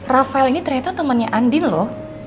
rafael ini ternyata temannya andin loh